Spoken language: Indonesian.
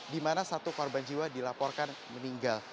di mana satu korban jiwa dilaporkan meninggal